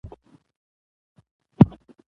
موږ د ابۍ ګودى تر څنګ کړه.